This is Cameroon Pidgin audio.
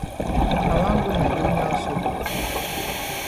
I wan go na dey now so.